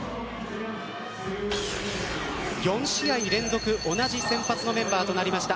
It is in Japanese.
４試合連続同じ先発のメンバーとなりました。